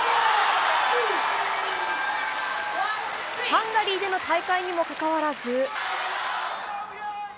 ハンガリーでの大会にもかかわらず。